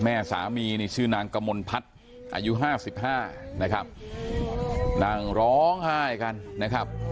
แม่สามีนี่ชื่อนางกมลพัฒน์อายุห้าสิบห้านะครับนั่งร้องไห้กันนะครับ